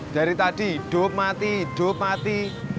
dari tadi doop mati doop mati